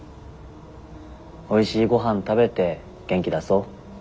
おいしいごはん食べて元気出そ。